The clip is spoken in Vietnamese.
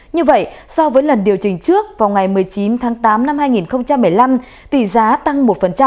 như vậy so với lần điều chỉnh trước vào ngày một mươi chín tháng tám năm hai nghìn một mươi năm tỷ giá tăng một